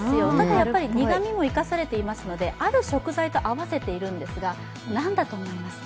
苦みも生かされていますので、ある食材とあわせているんですが、何だと思いますか？